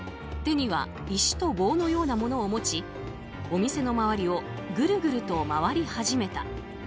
手には石と棒のようなものを持ちお店の周りをぐるぐると回り始めた。